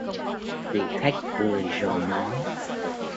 Vị Khách cười rồi nói